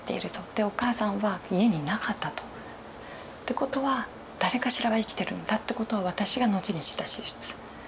でお母さんは家にいなかったと。ってことは誰かしらは生きてるんだってことは私が後に知った事実。